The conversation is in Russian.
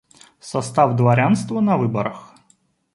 Состав дворянства на выборах.